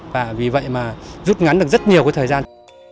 và vì vậy mà rút ngắn được rất nhiều cái thời gian